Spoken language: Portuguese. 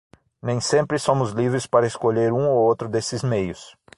Nem sempre somos livres para escolher um ou outro desses meios.